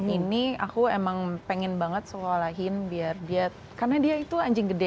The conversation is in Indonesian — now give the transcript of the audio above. ini aku emang pengen banget sekolahin biar biar karena dia itu anjing gede